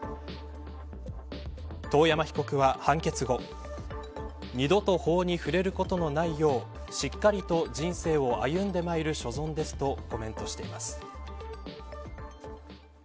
遠山被告は判決後二度と法に触れることのないようしっかりと人生を歩んで参る所存ですとコメントしています。